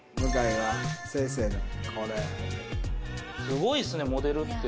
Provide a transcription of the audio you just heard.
すごいっすねモデルって。